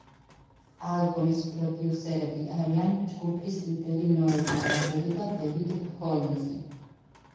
ალბომის პროდიუსერები არიან ჯგუფის ლიდერი ნოელ გალაგერი და დევიდ ჰოლმზი.